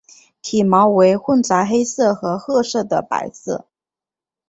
体毛为混杂黑色和褐色的白色。